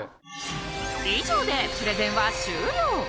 以上でプレゼンは終了。